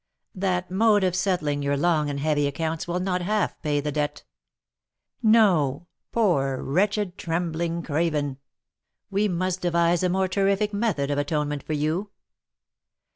That mode of settling your long and heavy accounts will not half pay the debt. No; poor, wretched, trembling craven! we must devise a more terrific method of atonement for you.